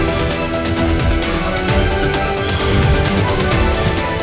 mencall palkan kekuatan eksekutif australia dengan k medications sekaligus dan kekayaan herbal